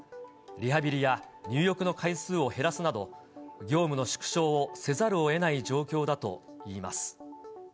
リハビリや入浴の回数を減らすなど、業務の縮小をせざるをえない状況だといいます。